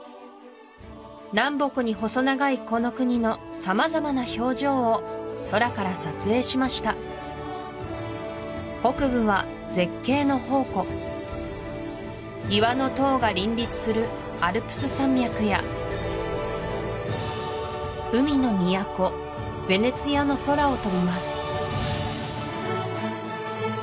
南北に細長いこの国の様々な表情を空から撮影しました北部は絶景の宝庫岩の塔が林立するアルプス山脈や海の都ヴェネツィアの空を飛びます